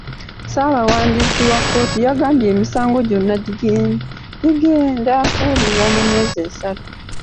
Ssaabawandiisi wa kkooti yagambye emisango gyonna gigenda kuwulirwa mu myezi esatu.